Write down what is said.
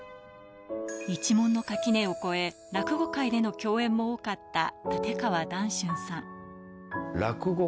一門の垣根を超え、落語かいでの共演も多かった立川談春さん。